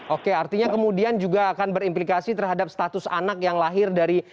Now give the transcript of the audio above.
oke artinya kemudian juga akan berimplikasi terhadap status anak yang lahir dari